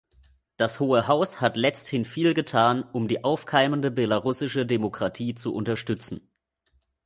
Das Hohe Haus hat letzthin viel getan, um die aufkeimende belarussische Demokratie zu unterstützen.